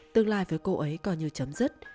tương lai với cô ấy còn như chấm dứt